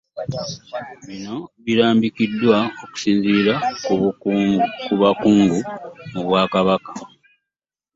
Bino birambikiddwa okusinziira ku bakungu mu Bwakabaka.